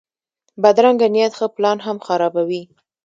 بدرنګه نیت ښه پلان هم خرابوي